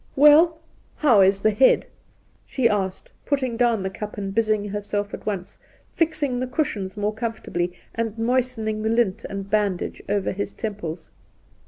' Well, how is the head V she asked, putting down the cup and busying herself at once, fixing the cushions more comfortably, and moistening the lint and bandage over his temples.